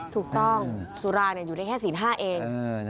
ถูกต้องสุราอยู่ได้แค่ศีล๕เอง